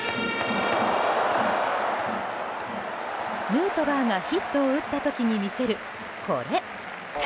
ヌートバーがヒットを打った時に見せる、これ。